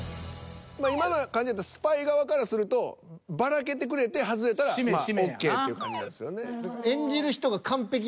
今の感じやったらスパイ側からするとバラけてくれて外れたらＯＫっていう感じなんですよね。